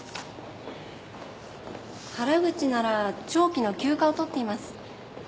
原口なら長期の休暇を取っています。